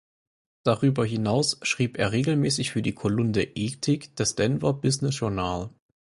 Darüber hinaus schrieb er regelmäßig für die Kolumne "„Ethik“" des Denver Business Journal.